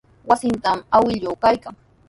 Wasintrawmi awkilluu kaykan.